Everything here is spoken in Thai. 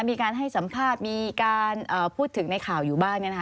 มีการให้สัมภาษณ์มีการพูดถึงในข่าวอยู่บ้าง